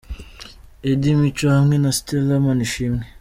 Eddy Mico hamwe na Stella Manishimwe.